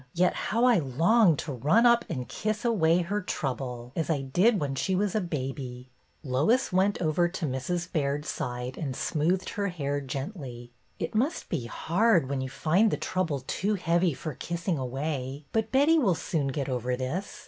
Yet how I long to run up and kiss away her trouble, as I did when she was a baby!'^ A RETURNED MANUSCRIPT 107 Lois went over to Mrs. Baird's side and smoothed her hair gently. '' It must be hard when you find the trouble too heavy for kissing away, but Betty will soon get over this.